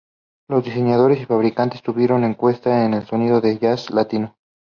Los diseñadores y fabricantes tuvieron en cuenta el sonido del jazz latino.